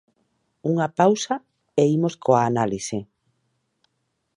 Unha pausa e imos coa análise.